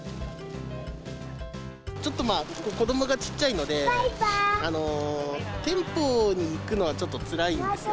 ちょっと子どもがちっちゃいので店舗に行くのはちょっとつらいんですよ。